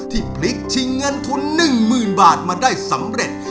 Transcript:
พลิกชิงเงินทุน๑๐๐๐บาทมาได้สำเร็จ